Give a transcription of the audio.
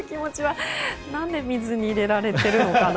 何で水に入れられてるのかな。